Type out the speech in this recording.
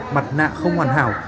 mặt nạ không hoàn hảo